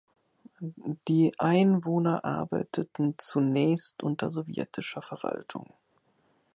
Die Einwohner arbeiteten zunächst unter sowjetischer Verwaltung.